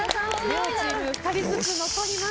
両チーム２人ずつ残ります。